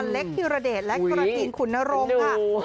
เล็กธิรเดชและกระทิงขุนนรงค์ค่ะ